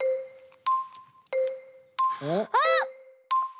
あっ！